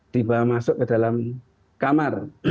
dibawa masuk ke dalam kamar